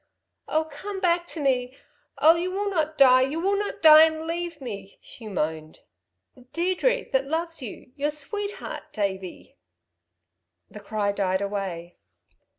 "Oh, come back to me! Oh, you will not die. You will not die and leave me," she moaned. "Deirdre, that loves you. Your sweetheart, Davey!" The cry died away.